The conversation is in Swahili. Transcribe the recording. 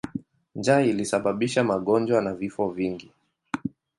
Njaa ilisababisha magonjwa na vifo vingi.